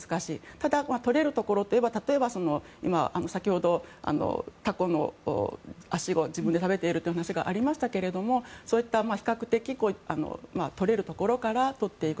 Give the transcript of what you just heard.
ただ、取れるところといえば例えば先ほどタコの足を自分で食べているという話がありましたがそういった比較的取れるところから取っていく。